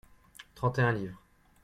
trente et un livres.